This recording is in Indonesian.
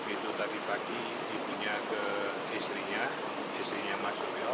itu tadi pagi ibunya ke istrinya istrinya mas suryo